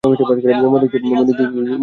মনে হচ্ছে দুটো জীবন পাশাপাশি চলছে।